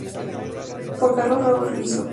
Por Carlos Raúl Risso.